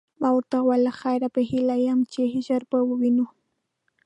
ما ورته وویل: له خیره، په هیله یم چي ژر به ووینو.